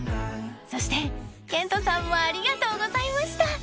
［そしてケントさんもありがとうございました］